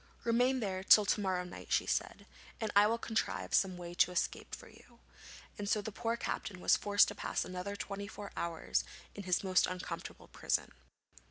'Remain there till to morrow night,' she said, 'and I will contrive some way of escape for you,' and so the poor captain was forced to pass another twenty four hours in his most uncomfortable prison.